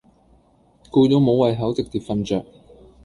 攰到無胃口直接瞓著